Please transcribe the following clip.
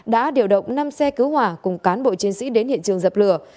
đã điều động năm xe cứu hỏa cùng cán bộ chiến sĩ đến hiện trường dập lửa